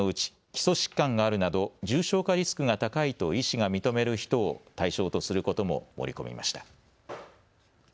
基礎疾患があるなど重症化リスクが高いと医師が認める人を対象とすることも盛り込みました。